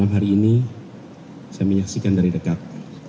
malam hari ini saya menyaksikan dari dekat